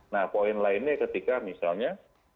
nah poin lainnya ketika misalnya